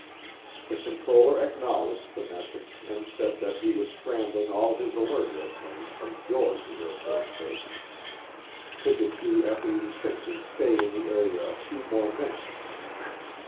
The controller acknowledged the message and said that he was scrambling all his alert airplanes from George AFB. Could the two F 86's stay in the area a few more minutes?